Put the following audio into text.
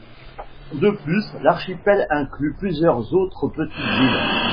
De plus, l'archipel inclut plusieurs autres petites îles.